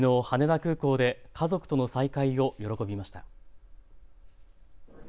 羽田空港で家族との再会を喜びました。